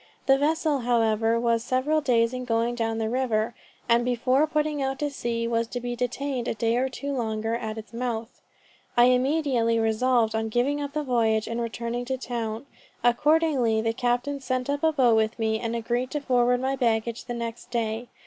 The vessel however was several days in going down the river; and "before putting out to sea was to be detained a day or two longer at its mouth." "I immediately resolved on giving up the voyage and returning to town. Accordingly the captain sent up a boat with me, and agreed to forward my baggage the next day.